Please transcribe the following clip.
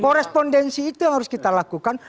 porespondensi itu harus kita lakukan